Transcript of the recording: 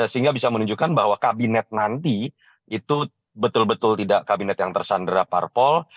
sehingga bisa menunjukkan bahwa kabinet nanti itu betul betul tidak kabinet yang tersandera parpol